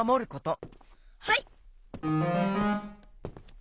はい！